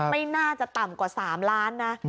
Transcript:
ไม่น่าจะต่ำกว่า๓ล้านนะ